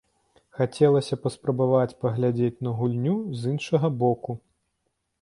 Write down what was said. Хацелася паспрабаваць паглядзець на гульню з іншага боку.